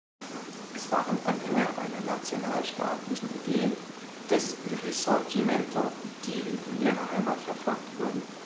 Es waren Anhänger einer nationalstaatlichen Idee, des Risorgimento, die in ihrer Heimat verfolgt wurden.